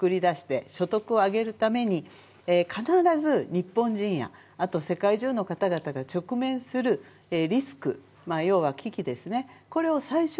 皆様のちゃんと雇用を作り出して所得を上げるために必ず日本人やあと世界中の方々が直面するリスク要は危機ですね